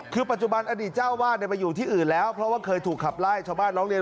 คือปัจจุบันอดีตเจ้าวาดไปอยู่ที่อื่นแล้วเพราะว่าเคยถูกขับไล่ชาวบ้านร้องเรียน